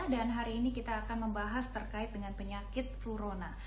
dan hari ini kita akan membahas terkait dengan penyakit flurona